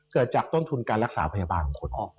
เกิดจากต้นทุนการรักษาพยาบาลของคน